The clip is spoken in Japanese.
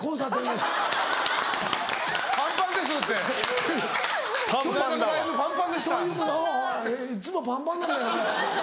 いっつもパンパンなのよ。